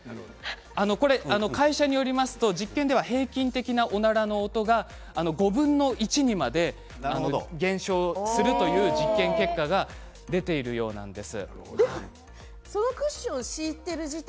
会社によりますと実験では平均的なおならの音が５分の１にまで減少するという実験結果が出ているということなんです。